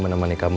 mereka udah gatau